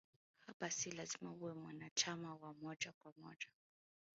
Hapa si lazima uwe mwanachama wa moja kwa moja